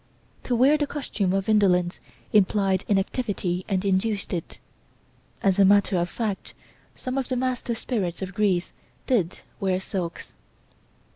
To wear the costume of indolence implied inactivity and induced it. As a matter of fact, some of the master spirits of Greece did wear silks.